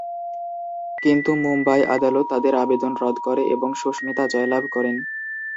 কিন্তু মুম্বাই আদালত তাদের আবেদন রদ করে এবং সুস্মিতা জয়লাভ করেন।